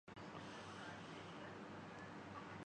اس کی کہانی کسی قدر ایک ذاتی زوال میں سے ہے